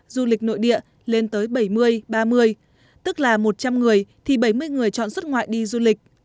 du lịch nội địa lên tới bảy mươi ba mươi tức là một trăm linh người thì bảy mươi người chọn xuất ngoại đi du lịch